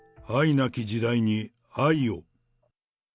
なき時代に愛を。